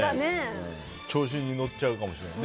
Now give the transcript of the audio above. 調子に乗っちゃうかもしれない。